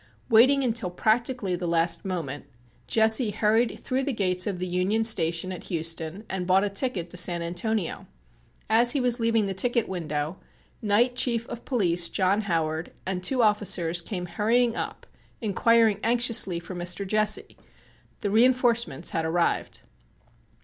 Waiting until practically the last moment Jesse hurried through the gates of the Union Station at Houston and bought a ticket to San Antonio. As he was leaving the ticket window Night Chief of Police John Howard and two officers came hurrying up inquiring anxiously for "Mr. Jesse." The reinforcements had arrived.